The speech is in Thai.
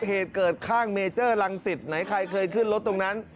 เหตุเกิดข้างเมเจอร์รังสิตไหนใครเคยขึ้นรถตรงนั้น